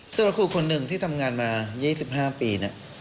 ส่วนครูคนหนึ่งที่ทำงานมา๒๕ปี